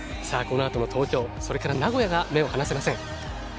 このあとの東京それから名古屋が目を離せません。